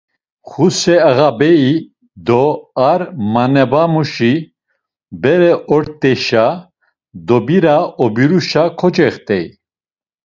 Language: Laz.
Xuse ağabei do ar manebamuşi bere ort̆eşa Dobira obiruşa kocext̆ey.